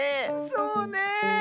そうねえ。